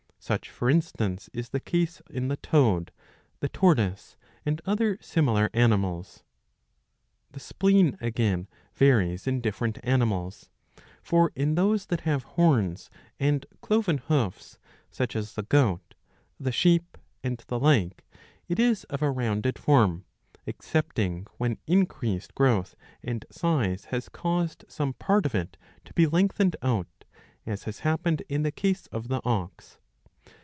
Such, for instance, is the case in the toad, the tortoise, and otlier similar animals. The spleen, again, varies in different animals. For in those that have horns and cloven hoofs, such as the goat, the sheep, and the like, it is of a rounded form ;^ excepting when increased growth and size has caused some part of it to be lengthened out, as has happened in the case of the ox.""